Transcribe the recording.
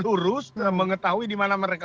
lurus mengetahui di mana mereka